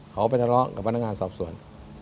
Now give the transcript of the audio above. เขาไปทะเลาะกับพนักงานสอบสวน